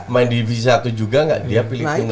main divisi satu juga nggak dia pilih timnas belanda